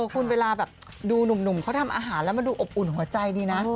คุณเวลาแบบดูหนุ่มเขาทำอาหารแล้วมันดูอบอุ่นหัวใจดีนะ